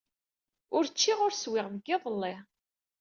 Ur ččiɣ, ur swiɣ seg yiḍelli.